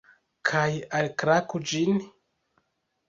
Kaj... alklaku ĝin?